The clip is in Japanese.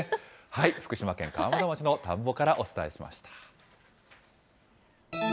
福島県川俣町の田んぼからお伝えしました。